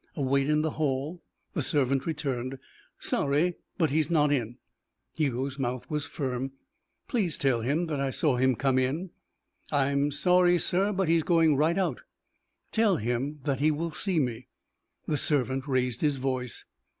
A wait in the hall. The servant returned. "Sorry, but he's not in." Hugo's mouth was firm. "Please tell him that I saw him come in." "I'm sorry, sir, but he is going right out." "Tell him that he will see me." The servant raised his voice.